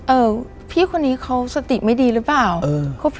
พี่คนนี้เขาสติไม่ดีหรือเปล่า